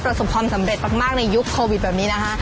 ประสบความสำเร็จมากในยุคโควิดแบบนี้นะคะ